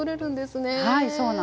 はいそうなんです。